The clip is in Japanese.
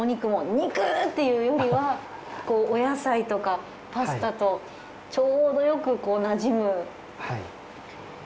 肉っていうよりはお野菜とかパスタとちょうどよくこうなじむ。